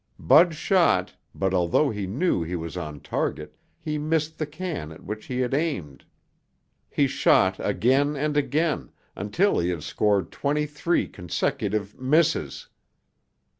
Bud shot, but although he knew he was on target, he missed the can at which he had aimed. He shot again and again until he had scored twenty three consecutive misses.